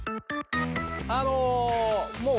あのもう。